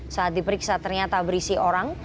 saat diperiksa ternyata berisi orang